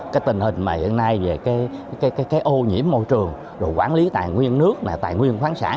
cái tình hình mà hiện nay về cái ô nhiễm môi trường rồi quản lý tài nguyên nước là tài nguyên khoáng sản